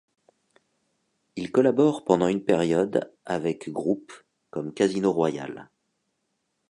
Il collabore pendant une période avec groupes comme Casino Royale.